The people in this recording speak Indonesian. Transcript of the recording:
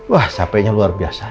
wah capainya luar biasa